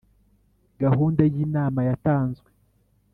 gahunda yinama yatanzwe.